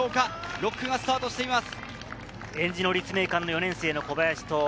６区がスタートしています。